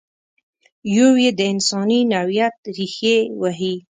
یو یې د انساني نوعیت ریښې وهي.